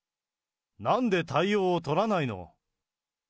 なんで対応を取らないの？